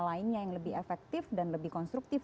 lainnya yang lebih efektif dan lebih konstruktif